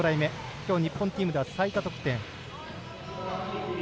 きょう、日本チームでは最多得点。